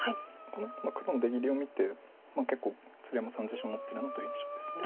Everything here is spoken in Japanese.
この黒の出切りを見て結構鶴山さん自信を持ってるなという印象です。